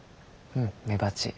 うんメバチ。